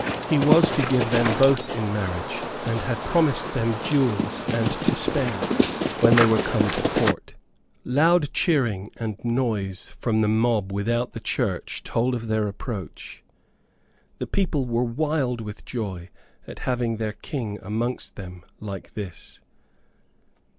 He was to give them both in marriage, and had promised them jewels and to spare when they were come to Court. Loud cheering and noise from the mob without the church told of their approach. The people were wild with joy at having their King amongst them like this.